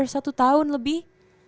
satu tahun lebih